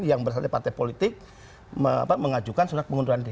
yang bersama partai politik mengajukan surat pengunduran d